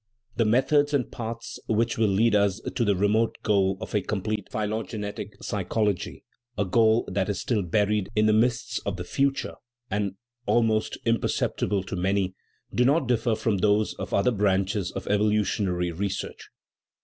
The methods and paths which will lead us to the re mote goal of a complete phylogenetic psychology a goal that is still buried in the mists of the future, and almost imperceptible to many do not differ from those of other branches of evolutionary research.